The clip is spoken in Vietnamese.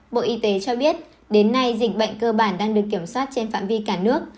bộ y tế cho biết đến nay dịch bệnh cơ bản đang được kiểm soát trên phạm vi cả nước